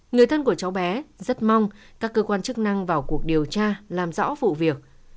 người thân của cháu bé rất mong các cơ quan chức năng vào cuộc điều tra làm rõ vụ việc